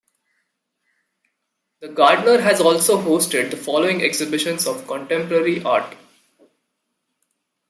The Gardner has also hosted the following exhibitions of contemporary art.